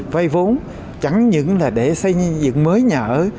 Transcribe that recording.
vay vốn chẳng những là để xây dựng mới nhà ở